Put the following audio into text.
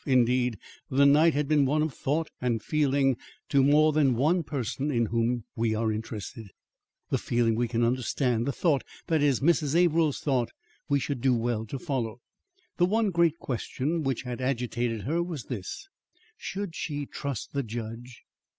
Indeed, the night had been one of thought and feeling to more than one person in whom we are interested. The feeling we can understand; the thought that is, Mrs. Averill's thought we should do well to follow. The one great question which had agitated her was this: Should she trust the judge?